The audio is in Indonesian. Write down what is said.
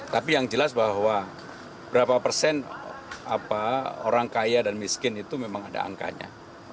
tapi yang jelas bahwa berapa persen orang kaya dan miskin itu memang ada angkanya